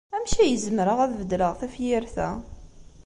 Amek ay zemreɣ ad beddleɣ tafyirt-a?